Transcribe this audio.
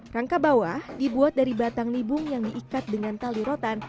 rangka bawah dibuat dari batang libung yang diikat dengan tali rotan